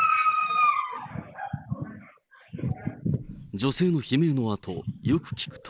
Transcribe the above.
女性の悲鳴のあと、よく聞くと。